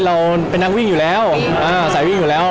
เราเป็นนักวิ่งอยู่แล้วสายวิ่งอยู่แล้ว